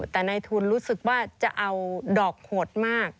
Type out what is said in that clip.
แต่ในทุนรู้สึกว่าจะเอาดอกโหดมาก